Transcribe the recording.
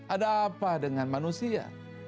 ada apa dengan manusia